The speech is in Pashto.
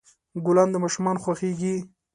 ګلان د ماشومان خوښیږي.